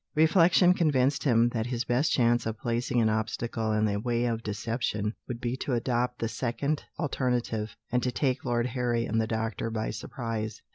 Reflection convinced him that his best chance of placing an obstacle in the way of deception would be to adopt the second alternative, and to take Lord Harry and the doctor by surprise.